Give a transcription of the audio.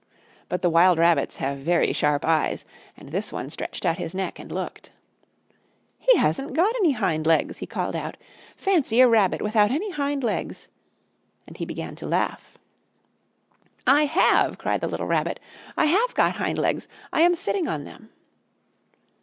But the wild rabbits have very sharp eyes. And this one stretched out his neck and looked. "He hasn't got any hind legs!" he called out. "Fancy a rabbit without any hind legs!" And he began to laugh. "I have!" cried the little Rabbit. "I have got hind legs! I am sitting on them!"